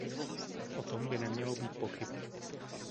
O tom by nemělo být pochyb.